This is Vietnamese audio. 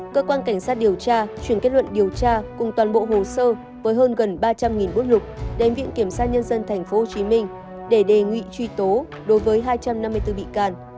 cơ quan cảnh sát điều tra chuyển kết luận điều tra cùng toàn bộ hồ sơ với hơn gần ba trăm linh bút lục đến viện kiểm sát nhân dân tp hcm để đề nghị truy tố đối với hai trăm năm mươi bốn bị can